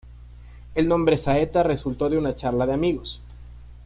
El nombre Saeta resultó de una charla de amigos.